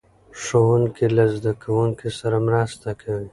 ښوونکي له زده کوونکو سره مرسته کوي.